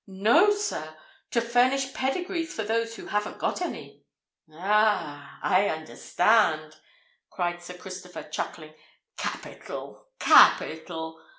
"No, sir—to furnish pedigrees for those who haven't got any." "Ah! I understand!" cried Sir Christopher, chuckling. "Capital! capital!